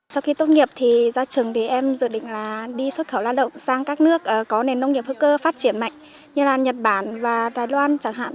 sau khi tốt nghiệp thì ra trường thì em dự định là đi xuất khẩu lao động sang các nước có nền nông nghiệp hữu cơ phát triển mạnh như là nhật bản và đài loan chẳng hạn